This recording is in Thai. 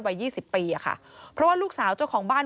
ยี่สิบปีอะค่ะเพราะว่าลูกสาวเจ้าของบ้าน